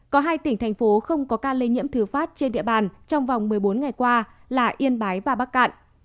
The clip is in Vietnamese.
có hai tỉnh thành phố không có ca lây nhiễm thứ phát trên địa bàn trong vòng một mươi bốn ngày qua là yên bái và bắc cạn